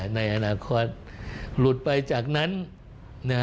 ในอนาคตหลุดไปจากนั้นนะฮะ